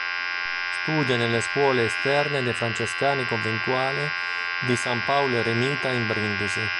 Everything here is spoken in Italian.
Studia nelle scuole esterne dei Francescani Conventuali di San Paolo Eremita in Brindisi.